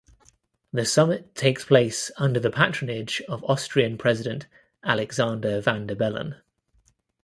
The summit takes place under the patronage of Austrian president Alexander Van der Bellen.